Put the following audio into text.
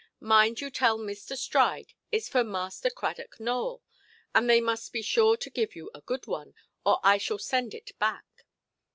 Mind you tell Mr. Stride itʼs for Master Cradock Nowell, and they must be sure to give you a good one, or I shall send it back.